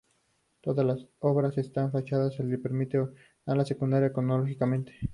Todas las obras están fechadas, lo que permite ordenar la secuencia cronológicamente.